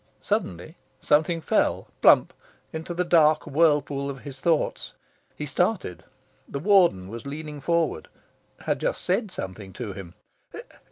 Suddenly, something fell, plump! into the dark whirlpool of his thoughts. He started. The Warden was leaning forward, had just said something to him.